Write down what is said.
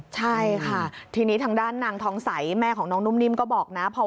ใช่ค่ะทีนี้ทางด้านนางทองใสแม่ของน้องนุ่มนิ่มก็บอกนะ